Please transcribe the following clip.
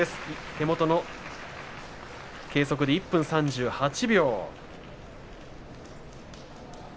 手元の計測で１分３８秒。